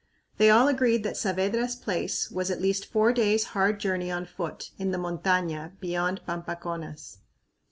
They all agreed that Saavedra's place was "at least four days' hard journey on foot in the montaña beyond Pampaconas."